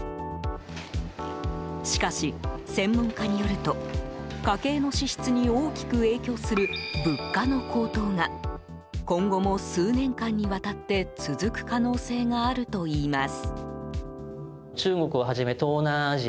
しかし、専門家によると家計の支出に大きく影響する物価の高騰が今後も数年間にわたって続く可能性があるといいます。